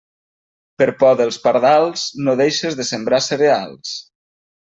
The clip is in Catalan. Per por dels pardals, no deixes de sembrar cereals.